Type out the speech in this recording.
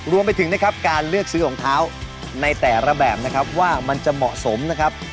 รวมไปถึงนะครับการเลือกซื้อรองเท้าในแต่ละแบบนะครับว่ามันจะเหมาะสมนะครับ